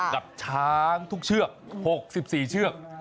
กับช้างทุกเชือก๖๔เชือก